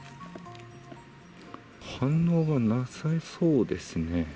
反応がなさそうですね。